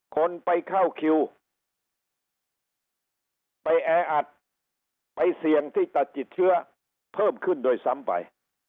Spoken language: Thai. คนไปเข้าคิวไปแออัดไปเสี่ยงที่จะติดเชื้อเพิ่มขึ้นด้วยซ้ำไป